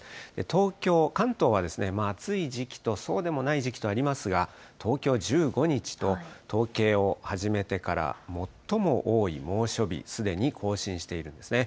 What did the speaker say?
東京、関東は暑い時期と、そうでもない時期とありますが、東京１５日と、統計を始めてから最も多い猛暑日、すでに更新しているんですね。